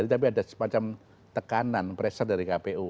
tapi ada sebuah tekanan dari kpu